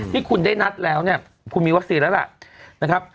ที่คุณได้นัดแล้วคุณมีวัคซีนแล้วล่ะ